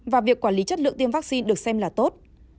và việc quản lý chất lượng tiêm vaccine được xem là tốt